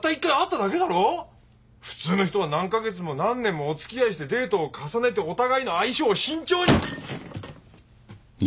普通の人は何カ月も何年もお付き合いしてデートを重ねてお互いの相性を慎重に。